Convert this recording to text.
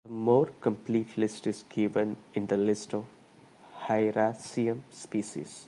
A more complete list is given in the list of "Hieracium" species.